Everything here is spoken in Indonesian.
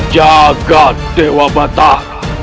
jaga dewa batara